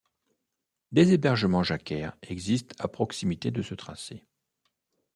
Des hébergements jacquaires existent à proximité de ce tracé.